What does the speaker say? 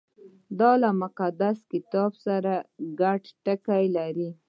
• دا له مقدس کتاب سره ګډ ټکي لري.